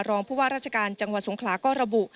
รองผู้ว่าราชการจังหวัดสงขลาก็ระบุ